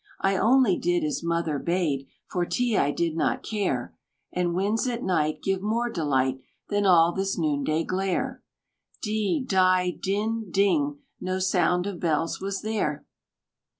I only did as Mother bade, For tea I did not care, And winds at night Give more delight Than all this noonday glare." D! DI! DIN! DING! No sound of bells was there.